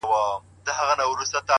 خدایه معلوم یمه، منافقت نه کوم,